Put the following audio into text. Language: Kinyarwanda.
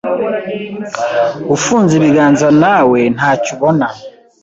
ufunze ibiganza nawe ntacyo ubona